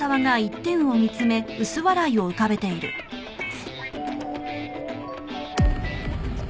フッ。